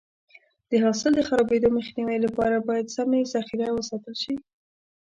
د حاصل د خرابېدو مخنیوي لپاره باید سمې ذخیره وساتل شي.